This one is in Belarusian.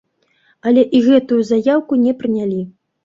Але і гэтую заяўку не прынялі.